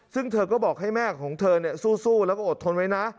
ซึ่งเธอก็บอกให้แม่ของเธอสู้แล้วก็อดทนไว้นะ